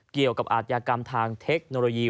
เกี่ยวกับอาทยากรรมทางเทคโนโลยี